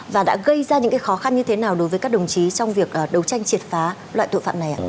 và đã gây ra những khó khăn như thế nào đối với các đồng chí trong việc đấu tranh triệt phá loại tội phạm này ạ